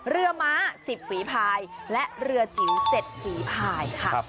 ม้า๑๐ฝีภายและเรือจิ๋ว๗ฝีภายค่ะ